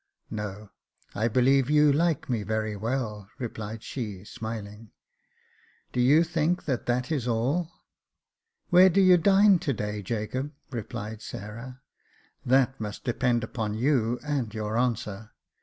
" No ; I believe you like me very well," replied she, smiling. " Do you think that that is all ?"" "Where do you dine to day, Jacob ?" replied Sarah. " That must depend upon you and your answer.